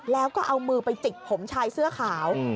แล้วก็เอามือไปจิกผมชายเสื้อขาว